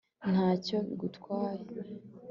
ntacyo bigutwaye